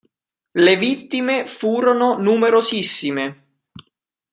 Le vittime furono numerosissime.